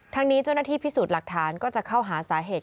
ทางนี้เจ้าหน้าที่พิสูจน์หลักฐานก็จะเข้าหาสาเหตุ